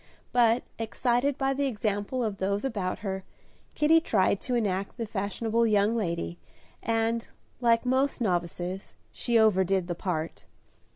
But, excited by the example of those about her, Kitty tried to enact the fashionable young lady, and, like most novices, she overdid the part.